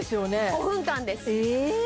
５分間ですえっ